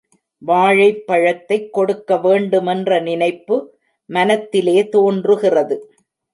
வாழைப் பழத்தைக் கொடுக்க வேண்டுமென்ற நினைப்பு மனத்திலே தோன்றுகிறது.